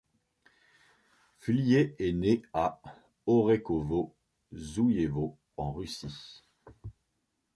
Flier est né à Orekhovo-Zuyevo, en Russie.